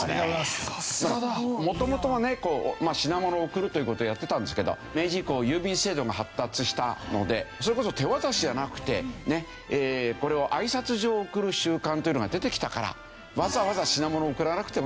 まあ元々はね品物を送るという事をやってたんですけど明治以降郵便制度が発達したのでそれこそ手渡しじゃなくてあいさつ状を送る習慣というのが出てきたからわざわざ品物を送らなくてもいいんじゃないかと。